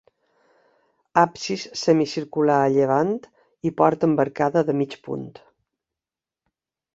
Absis semicircular a llevant i porta amb arcada de mig punt.